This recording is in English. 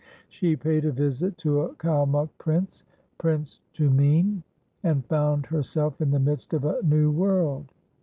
She paid a visit to a Kalmuk prince, Prince Tumene, and found herself in the midst of a new world.